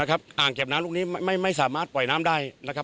อ่างเก็บน้ำลูกนี้ไม่สามารถปล่อยน้ำได้นะครับ